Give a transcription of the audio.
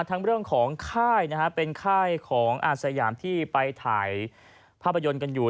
เรื่องของค่ายนะฮะเป็นค่ายของอาสยามที่ไปถ่ายภาพยนตร์กันอยู่